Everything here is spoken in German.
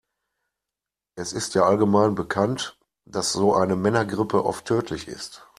Es ist ja allgemein bekannt, dass so eine Männergrippe oft tödlich ist.